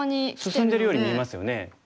進んでるように見えますよね。